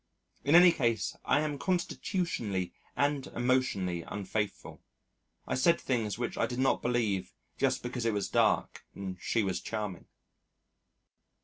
In any case I am constitutionally and emotionally unfaithful. I said things which I did not believe just because it was dark and she was charming.